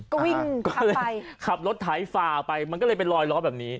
ก็วิ่งก็เลยขับรถไถฝ่าไปมันก็เลยเป็นรอยล้อแบบนี้